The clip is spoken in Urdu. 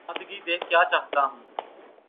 مری سادگی دیکھ کیا چاہتا ہوں